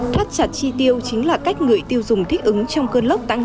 thắt chặt chi tiêu chính là cách người tiêu dùng thích ứng